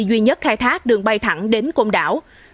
duy nhất khai thác đường bay thẳng đến côn đảo